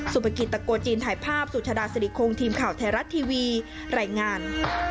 ปกิตตะโกจีนถ่ายภาพสุชาดาสิริคงทีมข่าวไทยรัฐทีวีรายงาน